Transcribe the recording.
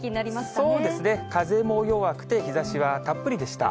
そうですね、風も弱くて、日ざしはたっぷりでした。